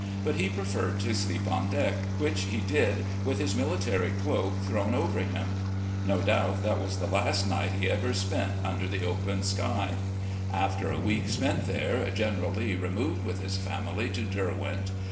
But he pre ferred to sleep on deck, which he did, with his military cloak thrown over him. No doubt that was the last night he ever spent imder the open sky. After a week spent here. General Lee removed, with his family, to "Derwent."